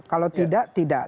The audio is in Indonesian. kalau tidak tidak